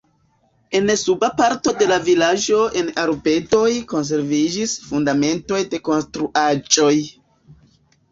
En suba parto de la vilaĝo en arbedoj konserviĝis fundamentoj de konstruaĵoj.